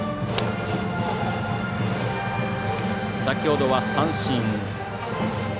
先ほどは三振。